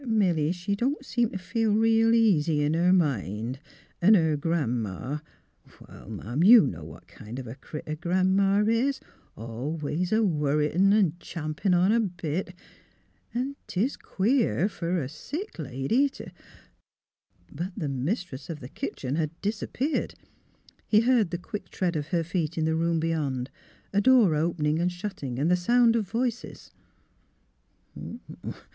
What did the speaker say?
Milly, she 274 THE HEART OF PHILURA don't seem t' feel reel easy in lier mind, an' her Gran 'ma — wall, Ma'am, you know what kind of a critter Gran 'ma is, always a worritin' an' champin' o' her bit. An' 'tis queer fer a sick lady t' " But the mistress of the kitchen had disappeared. He heard the quick tread of her feet in the room beyond, a door opening and shutting, and the sound of voices.